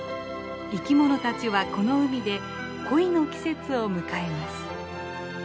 生き物たちはこの海で恋の季節を迎えます。